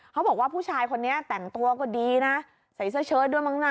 เขาบอกว่าผู้ชายคนนี้แต่งตัวก็ดีนะใส่เสื้อเชิดด้วยมั้งน่ะ